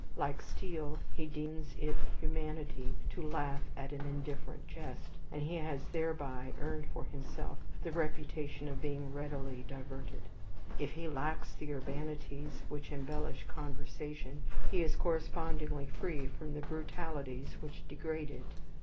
Like Steele, he deems it humanity to laugh at an indifferent jest, and he has thereby earned for himself the reputation of being readily diverted. If he lacks the urbanities which embellish conversation, he is correspondingly free from the brutalities which degrade it.